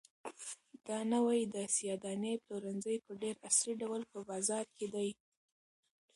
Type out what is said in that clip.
دا نوی د سیاه دانې پلورنځی په ډېر عصري ډول په بازار کې دی.